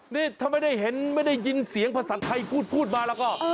นี่ถ้าไม่ได้เห็นไม่ได้ยินเสียงภาษาไทยพูดมาแล้วก็